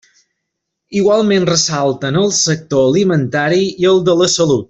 Igualment ressalten el sector alimentari i el de la salut.